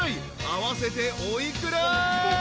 ［合わせてお幾ら？］